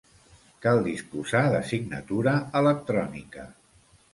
Cal disposar de signatura electrònica.